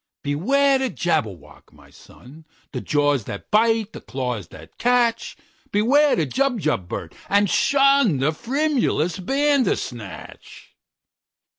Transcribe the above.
"Beware the Jabberwock, my son! The jaws that bite, the claws that catch! Beware the Jubjub bird, and shunThe frumious Bandersnatch!"